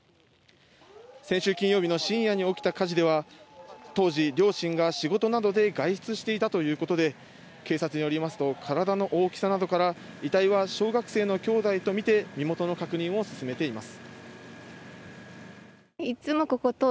先週金曜日の深夜に起きた火事では、当時、両親が仕事などで外出していたということで、警察によりますと体の大きさなどから遺体は小学生の兄弟とみて、身元の確認を進めています。